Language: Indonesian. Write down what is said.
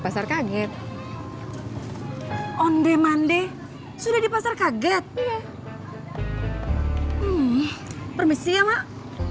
pasar kaget onde mande sudah di pasar kaget permisi ya mak